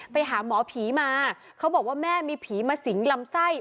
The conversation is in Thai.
ไปหาหมอผีมาเขาบอกว่าแม่มีผีมาสิงลำไส้